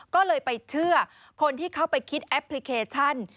ก็เลยไปเชื่อคนที่เขาไปคิดแอปพลิเคชัน